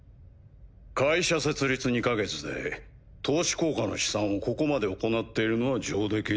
会社設立２か月で投資効果の試算をここまで行っているのは上出来だ。